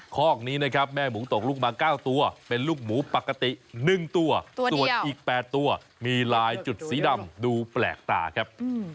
คอกนี้นะครับแม่หมูตกลูกมา๙ตัวเป็นลูกหมูปกติ๑ตัวส่วนอีก๘ตัวมีลายจุดสีดำดูแปลกตาครับ